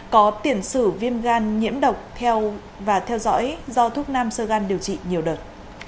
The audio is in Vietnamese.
có tiền sử viêm gan nhiễm độc và theo dõi do thuốc nam sơ gan điều trị nhiều đợt